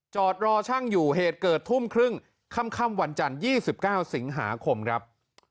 จอดรอช่างอยู่เหตุเกิดทุ่มครึ่งค่ำวันจันทร์๒๙สิงหาคมครับ